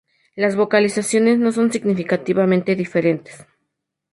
Las vocalizaciones no son significativamente diferentes.